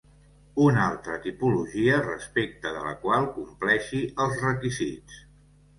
Una altra tipologia respecte de la qual compleixi els requisits.